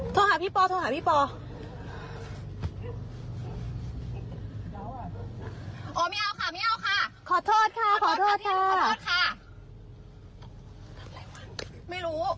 แต่มึงว่าอีกก็ปลอดภัย